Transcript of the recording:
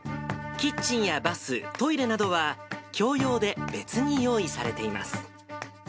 キッチンやバス、トイレなどは共用で別に用意されています。